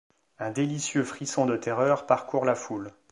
Un délicieux frisson de terreur parcourt la foule.